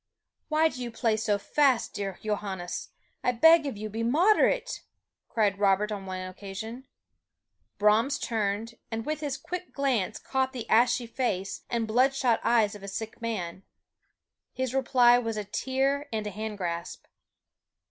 "Why do you play so fast, dear Johannes? I beg of you, be moderate!" cried Robert on one occasion. Brahms turned, and his quick glance caught the ashy face and bloodshot eyes of a sick man. His reply was a tear and a hand grasp.